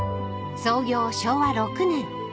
［創業昭和６年］